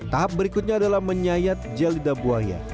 tahap berikutnya adalah menyayat gel lidah buaya